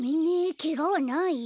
けがはない？